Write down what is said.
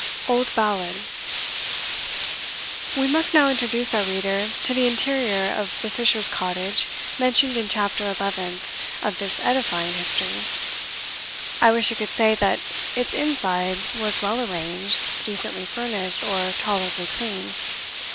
Old Ballad. We must now introduce our reader to the interior of the fisher's cottage mentioned in CHAPTER eleventh of this edifying history. I wish I could say that its inside was well arranged, decently furnished, or tolerably clean.